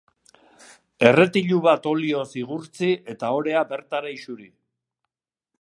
Erretilu bat olioz igurtzi eta orea bertara isuri.